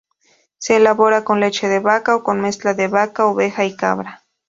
Se elabora con leche de vaca, o con mezcla de vaca, oveja y cabra.